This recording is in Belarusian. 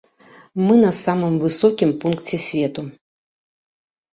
Мы на самым высокім пункце свету.